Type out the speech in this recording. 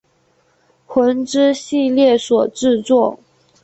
魂之系列所制作。